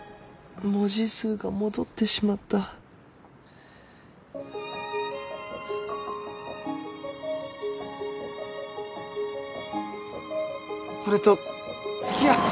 文字数が戻ってしまった俺とつきあ。